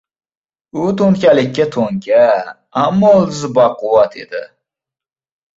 — U to‘nkalikka to‘nka, ammo ildizi baquvvat edi.